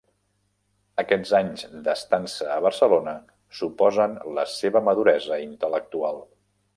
Aquests anys d'estança a Barcelona suposen la seva maduresa intel·lectual.